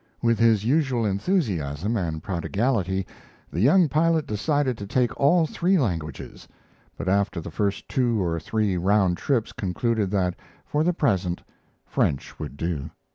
With his unusual enthusiasm and prodigality, the young pilot decided to take all three languages, but after the first two or three round trips concluded that for the present French would do.